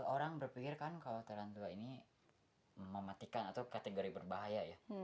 orang berpikir kan kalau tarantua ini mematikan atau kategori berbahaya ya